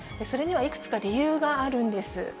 それにはいくつか理由があるんです。